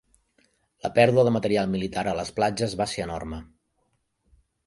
La pèrdua de material militar a les platges va ser enorme.